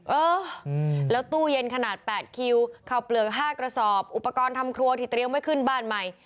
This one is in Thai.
เออแล้วตู้เย็นขนาด๘คิวข้าวเปลือก๕กระสอบอุปกรณ์ทำครัวที่เตรียมไว้ขึ้นบ้านใหม่